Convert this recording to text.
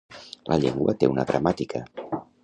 La llengua té una gramàtica.